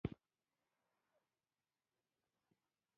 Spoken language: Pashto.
له دغه ځایه یې هرې خواته فتوحات پیل کړل.